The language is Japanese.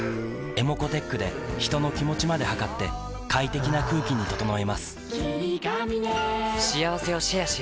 ｅｍｏｃｏーｔｅｃｈで人の気持ちまで測って快適な空気に整えます